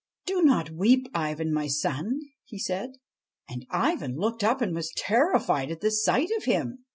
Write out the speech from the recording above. ' Do not weep, Ivan, my son,' he said. And Ivan looked up and was terrified at the sight of him.